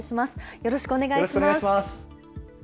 よろしくお願いします。